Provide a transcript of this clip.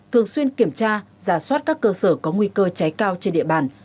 thường xuyên kiểm tra giả soát các cơ sở có nguy cơ cháy cao trên địa bàn